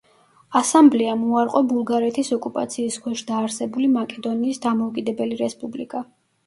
ასამბლეამ უარყო ბულგარეთის ოკუპაციის ქვეშ დაარსებული მაკედონიის დამოუკიდებელი რესპუბლიკა.